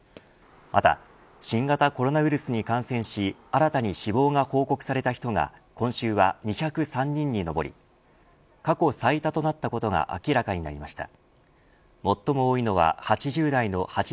また新型コロナウイルスに感染し新たに死亡が報告された人が今週は２０３人に上り過去最多となったことが明らかになりました。